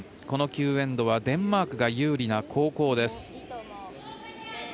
この９エンドはデンマークが有利な後攻です。